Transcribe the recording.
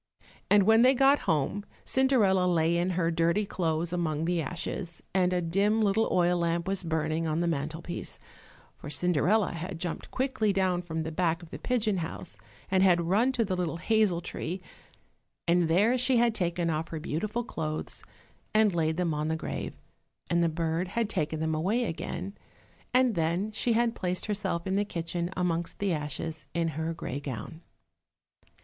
And when they got home Cinderella lay in her dirty clothes among the ashes, and a dim little oil lamp was burning on the mantle piece, for Cinderella had jumped quickly down from the back of the pigeon house and had run to the little hazel tree, and there she had taken off her beautiful clothes and laid them on the grave, and the bird had taken them away again, and then she had placed herself in the kitchen amongst the ashes in her grey gown.